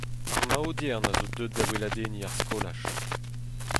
Ar maodiern a zo deuet da weladenniñ ar skolaj.